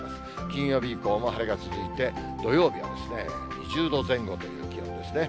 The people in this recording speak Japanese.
金曜日以降も晴れが続いて、土曜日は２０度前後という気温ですね。